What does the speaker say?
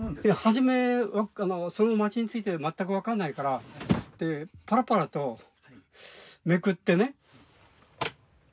初めその町について全く分かんないからパラパラとめくってね。